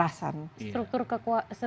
misalnya ya struktur kekuasaan dan kekerasan